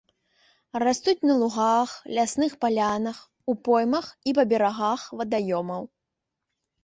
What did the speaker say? Растуць на лугах, лясных палянах, у поймах і па берагах вадаёмаў.